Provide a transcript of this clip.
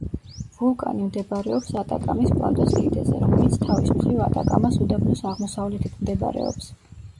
ვულკანი მდებარეობს ატაკამის პლატოს კიდეზე, რომელიც თავის მხრივ ატაკამას უდაბნოს აღმოსავლეთით მდებარეობს.